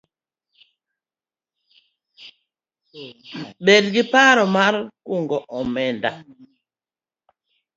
Bed gi paro mar kungo omenda